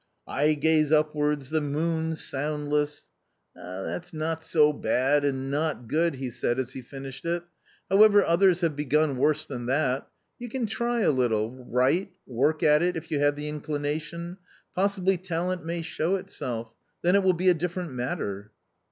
" I gaze upwards ; the moon soundless," "That's not so bad and not good!" he said as he finished it. However others have begun worse than that ; you can try a little, write, work at it if you have the incli nation ; possibly talent may show itself; then it will be a different matter."